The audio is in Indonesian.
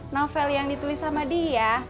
novel yang ditulis sama dia